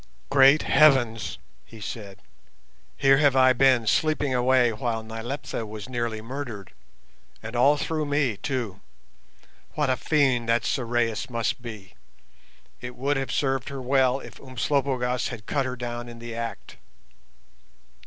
"Great Heavens!" he said: "here have I been sleeping away while Nyleptha was nearly murdered—and all through me, too. What a fiend that Sorais must be! It would have served her well if Umslopogaas had cut her down in the act."